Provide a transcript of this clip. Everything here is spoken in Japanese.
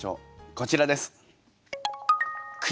こちらです。